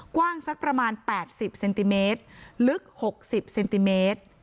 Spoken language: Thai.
กว้างสักประมาณแปดสิบเซนติเมตรลึกหกสิบเซนติเมตร